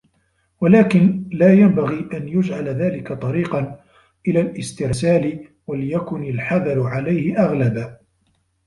وَلَكِنْ لَا يَنْبَغِي أَنْ يُجْعَلَ ذَلِكَ طَرِيقًا إلَى الِاسْتِرْسَالِ وَلْيَكُنْ الْحَذَرُ عَلَيْهِ أَغْلَبَ